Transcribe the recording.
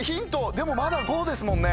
でもまだ５ですもんね。